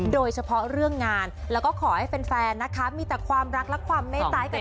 โดยเฉพาะเรื่องงานแล้วก็ขอให้แฟนนะคะมีแต่ความรักและความเมตตาให้กับ